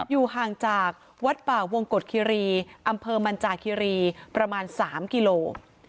อยู่ห่างจากวัดป่าวงกฎคิรีอำเภอมันจาคิรีประมาณ๓กิโล